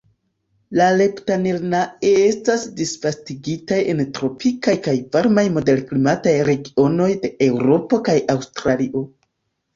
La "Leptanillinae" estas disvastigitaj en tropikaj kaj varmaj moderklimataj regionoj de Eŭropo kaj Aŭstralio.